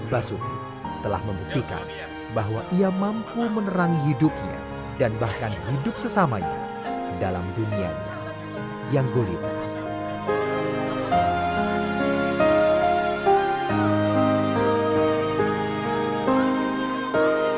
basuki telah membuktikan bahwa ia mampu menerangi hidupnya dan bahkan hidup sesamanya dalam dunianya yang gulita